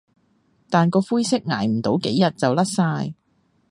但個灰色捱唔到幾日就甩晒